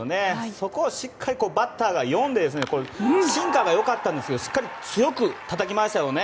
そこをしっかりバッターが読んでシンカーが良かったんですけどしっかり強くたたきましたよね。